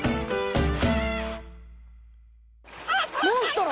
モンストロ